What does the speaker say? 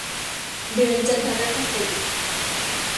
เดือนจันทรคติ